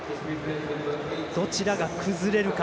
どちらが崩れるか。